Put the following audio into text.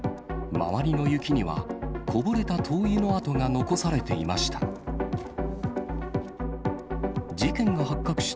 周りの雪には、こぼれた灯油の跡が残されていました。